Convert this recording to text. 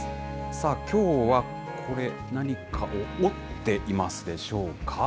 さあ、きょうは、これ、何かを織っていますでしょうか？